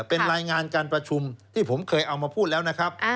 เป็นรายงานการประชุมที่ผมเคยเอามาพูดแล้วนะครับ